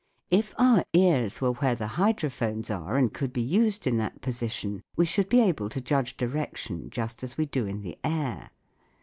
If our ears were where the hydrophones are and could be used in that position, we should be able to judge direction just as we do in the air.